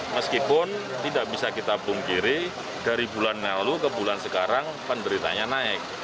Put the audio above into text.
meskipun tidak bisa kita pungkiri dari bulan lalu ke bulan sekarang penderitanya naik